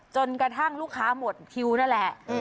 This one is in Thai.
จนกระทั่งลูกค้าหมดคิวนั่นแหละ